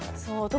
そう。